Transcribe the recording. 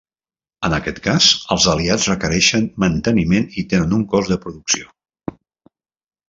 En aquest cas, els aliats requereixen manteniment i tenen un cost de producció.